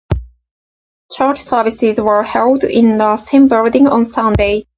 Church services were held in the same building on Sunday.